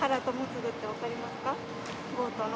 ボートの。